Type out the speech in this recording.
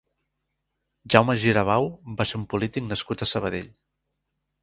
Jaume Girabau va ser un polític nascut a Sabadell.